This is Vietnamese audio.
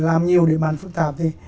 làm nhiều để bàn phương tạp thì